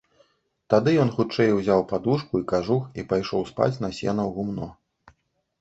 Тады ён хутчэй узяў падушку і кажух і пайшоў спаць на сена ў гумно.